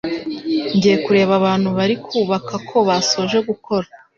ngiye kureba abantu bari kubaka ko basoje gukora